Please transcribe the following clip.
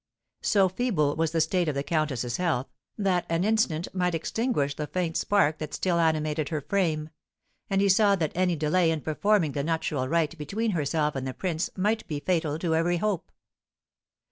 So feeble was the state of the countess's health, that an instant might extinguish the faint spark that still animated her frame; and he saw that any delay in performing the nuptial rite between herself and the prince might be fatal to every hope.